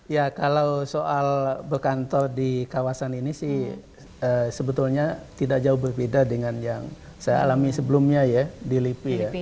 ya kalau soal berkantor di kawasan ini sih sebetulnya tidak jauh berbeda dengan yang saya alami sebelumnya ya di lipi ya